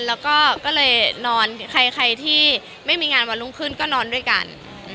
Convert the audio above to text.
และเราจะนอนใครที่ไม่มีงานวันหลงคืนก็นอนด้วยกัน